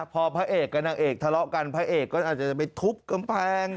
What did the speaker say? พอพระเอกกับนางเอกทะเลาะกันพระเอกก็อาจจะไปทุบกำแพง